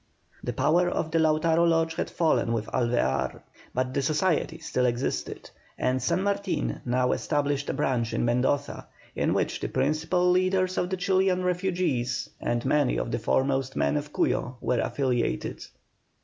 The power of the Lautaro Lodge had fallen with Alvear, but the society still existed, and San Martin now established a branch in Mendoza, in which the principal leaders of the Chilian refugees, and many of the foremost men of Cuyo, were affiliated.